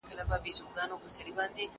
تمرين د زده کوونکي له خوا کيږي؟